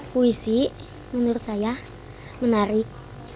puisi menurut saya menarik